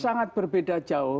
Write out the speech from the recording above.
sangat berbeda jauh